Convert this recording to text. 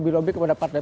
saya akan menjawabnya